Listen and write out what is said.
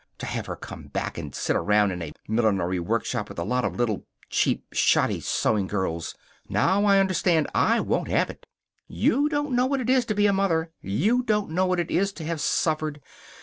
To have her come back and sit around a millinery workshop with a lot of little, cheap, shoddy sewing girls! Now, understand, I won't have it! You don't know what it is to be a mother. You don't know what it is to have suffered.